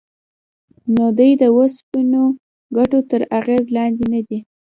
نو دوی د اوسنیو ګټو تر اغېز لاندې ندي.